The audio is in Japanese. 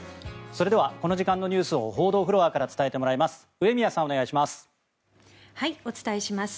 それではこの時間のニュースを報道フロアから伝えてもらいます上宮さん、お願いします。